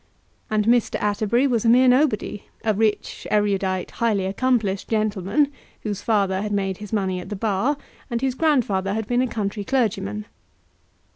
And Mr. Atterbury was a mere nobody, a rich, erudite, highly accomplished gentleman, whose father had made his money at the bar, and whose grandfather had been a country clergyman.